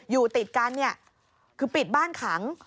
อยู่ติดกันเนี่ยคือปิดบ้านขัง